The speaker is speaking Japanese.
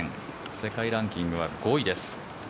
世界ランキングは５位です。